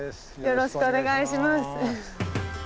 よろしくお願いします。